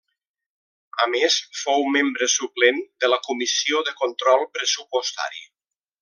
A més, fou membre suplent de la comissió de control pressupostari.